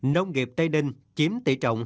nông nghiệp tây ninh chiếm tỷ trọng